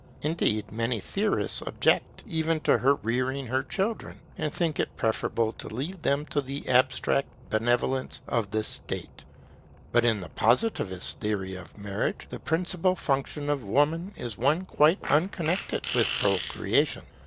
Indeed many theorists object even to her rearing her children, and think it preferable to leave them to the abstract benevolence of the State. But in the Positivist theory of marriage, the principal function of Woman is one quite unconnected with procreation.